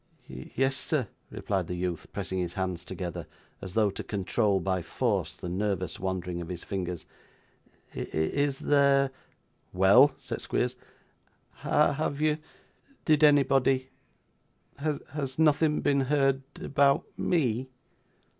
'Yes, sir,' replied the youth, pressing his hands together, as though to control, by force, the nervous wandering of his fingers. 'Is there ' 'Well!' said Squeers. 'Have you did anybody has nothing been heard about me?